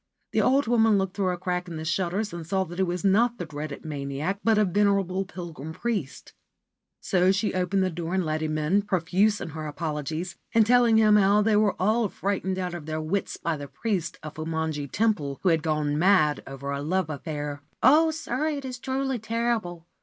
The old woman looked through a crack in the shutters, and saw that it was not the dreaded maniac, but a venerable pilgrim priest : so she 216 MAD JOAN, THOUGH MUTTERING, IS DEAD AND A SKELETON X White Bone Mountain opened the door and let him in, profuse in her apologies, and telling him how they were all frightened out of their wits by the priest of Fumonji Temple who had gone mad over a love affair. ' Oh, sir, it is truly terrible